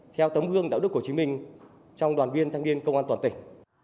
theo tấm gương đạo đức của chính mình trong đoàn viên thanh niên công an toàn tỉnh